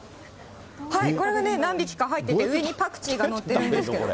これがね、何匹か入ってて、上にパクチーが載ってるんですけど。